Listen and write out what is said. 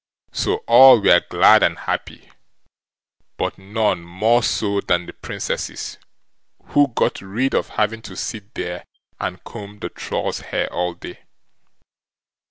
So all were glad and happy, but none more so than the Princesses, who got rid of having to sit there and comb the Troll's hair all day.